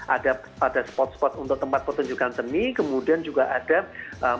ada spot spot untuk tempat pertunjukan seni kemudian juga ada musik